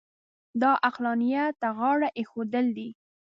دا عقلانیت ته غاړه اېښودل دي.